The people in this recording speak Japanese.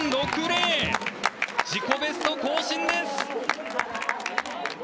自己ベスト更新です。